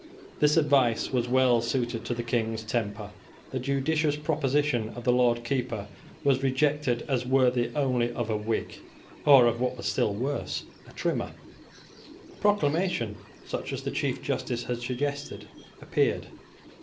This advice was well suited to the King's temper. The judicious proposition of the Lord Keeper was rejected as worthy only of a Whig, or of what was still worse, a Trimmer. A proclamation, such as the Chief Justice had suggested, appeared.